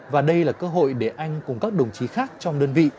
và đây là cơ hội để anh cùng các đồng chí khác trong đơn vị